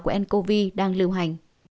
của ncov đang lưu hành